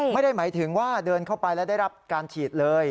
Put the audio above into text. ไม่ได้หมายถึงว่าเดินเข้าไปแล้วได้รับการฉีดเลย